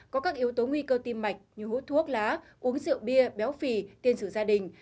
có các yếu tố nguy cơ tim mạch như hút thuốc lá uống rượu bia béo phì tiên sử gia đình